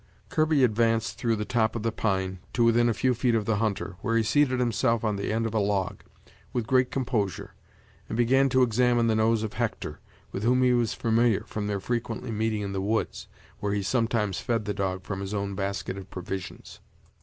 Kirby advanced through the top of the pine, to within a few feet of the hunter, where he seated himself on the end of a log, with great composure, and began to examine the nose of Hector, with whom he was familiar, from their frequently meeting in the woods, where he sometimes fed the dog from his own basket of provisions.